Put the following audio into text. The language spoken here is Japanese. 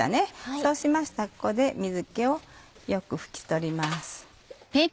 そうしましたらここで水気をよく拭き取ります。